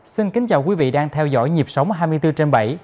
xin kính chào quý vị đang theo dõi nhịp sống hai mươi bốn trên bảy